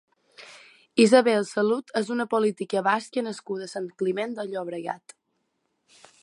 Isabel Salud és una política basca nascuda a Sant Climent de Llobregat.